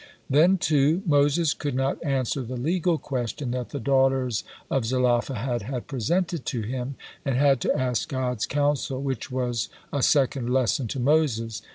Then, too, Moses could not answer the legal question that the daughters of Zelophehad had presented to him, and had to ask God's counsel, which was a second lesson to Moses.